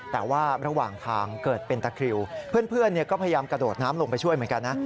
แต่ว่าระหว่างทางเกิดเป็นตะคริวเพื่อนก็พยายามกระโดดน้ำลงไปช่วยเหมือนกันนะ